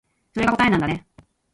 それが答えなんだね